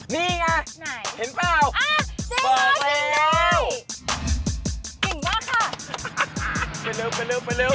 นี่ไงนี่ไงอ้าวเจ๊งอลเป็นไงเปิดแล้ว